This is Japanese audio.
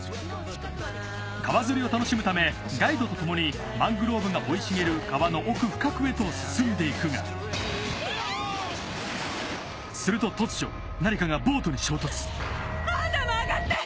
川釣りを楽しむためガイドとともにマングローブが生い茂る川の奥深くへと進んでいくがするとアダム上がって！